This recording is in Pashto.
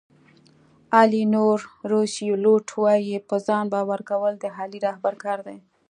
الینور روسیولوټ وایي په ځان باور کول د عالي رهبر کار دی.